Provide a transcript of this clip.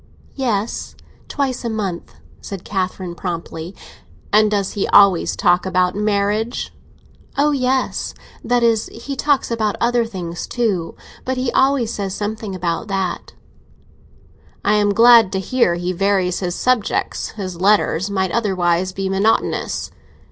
"Yes; twice a month," said Catherine promptly. "And does he always talk about marriage?" "Oh yes! That is, he talks about other things too, but he always says something about that." "I am glad to hear he varies his subjects; his letters might otherwise be monotonous."